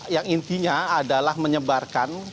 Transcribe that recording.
yang intinya adalah menyebarkan